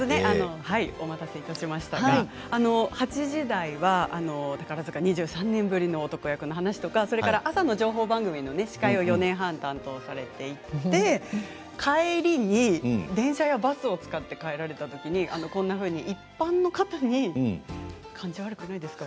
お待たせいたしましたが８時台は宝塚２３年ぶりの男役の話とか朝の情報番組の司会を４年半担当されていて帰りに電車やバスを使って帰られたときに一般の方に感じ悪くないですか？